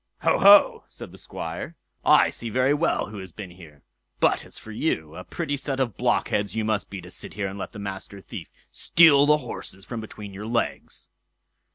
"Ho! ho!" said the Squire; "I see very well who has been here; but as for you, a pretty set of blockheads you must be to sit here and let the Master Thief steal the horses from between your legs."